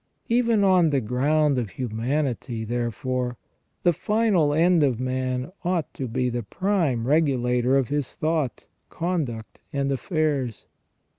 Even on the ground of humanity, therefore, the final end of man ought to be the prime regulator of his thought, conduct, and affairs.